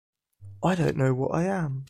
I don't know what I am.